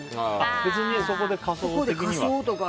別にそこで仮装とかは。